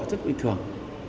rất bình thường